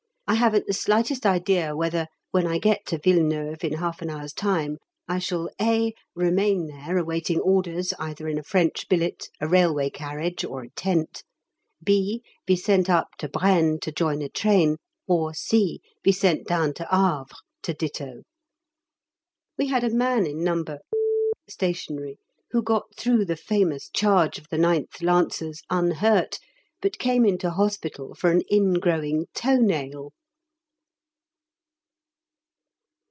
I haven't the slightest idea whether, when I get to Villeneuve in half an hour's time, I shall (a) Remain there awaiting orders either in a French billet, a railway carriage, or a tent; (b) Be sent up to Braisne to join a train; or (c) Be sent down to Havre to ditto. We had a man in No. Stationary who got through the famous charge of the 9th Lancers unhurt, but came into hospital for an ingrowing toe nail!